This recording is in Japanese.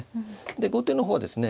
で後手の方はですね